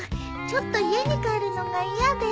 ちょっと家に帰るのが嫌で。